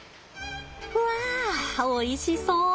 わあおいしそう！